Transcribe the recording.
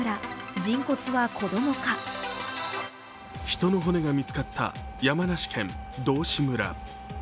人の骨が見つかった山梨県道志村。